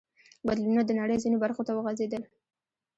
بدلونونه د نړۍ ځینو برخو ته وغځېدل.